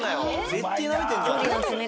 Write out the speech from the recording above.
絶対ナメてんじゃん。